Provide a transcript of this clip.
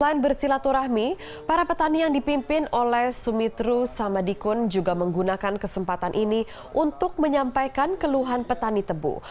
selain bersilaturahmi para petani yang dipimpin oleh sumitru samadikun juga menggunakan kesempatan ini untuk menyampaikan keluhan petani tebu